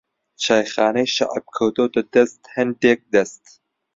چایخانەی شەعب کەوتۆتە دەست ھەندێک دەست